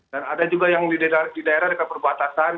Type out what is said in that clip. dan ada juga yang di daerah dekat perbatasan